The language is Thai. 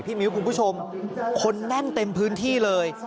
มิ้วคุณผู้ชมคนแน่นเต็มพื้นที่เลย